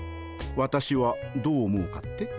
私はどう思うかって？